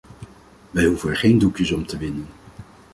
Wij hoeven er geen doekjes om te winden.